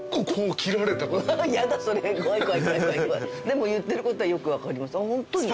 でも言ってることはよく分かりますホントに？